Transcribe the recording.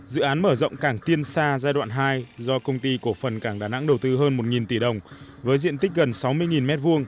dự án mở rộng cảng tiên sa giai đoạn hai do công ty cổ phần cảng đà nẵng đầu tư hơn một tỷ đồng với diện tích gần sáu mươi m hai